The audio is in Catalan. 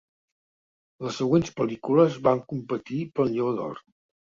Les següents pel·lícules van competir pel Lleó d'Or.